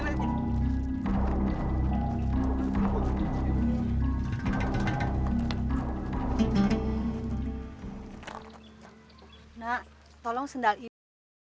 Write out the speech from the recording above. nek tolong sendal ibu